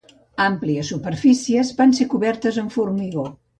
Àmplies superfícies van ser cobertes amb formigó.